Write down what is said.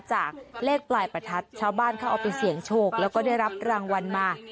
จากเลขปลายประทัดชาวบ้านเขาเอาไปเสี่ยงโชคแล้วก็ได้รับรางวัลมา